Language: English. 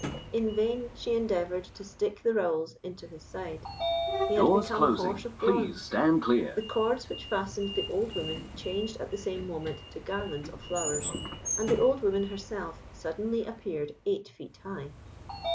In vain she endeavoured to stick the rowels into his side. He had become a horse of bronze. The cords which fastened the old woman changed at the same moment to garlands of flowers, and the old woman herself suddenly appeared eight feet high.